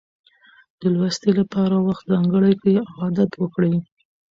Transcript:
د لوستنې لپاره وخت ځانګړی کړئ او عادت وکړئ.